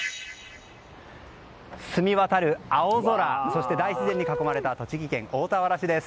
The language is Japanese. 澄み渡る青空そして大自然に囲まれた栃木県大田原市です。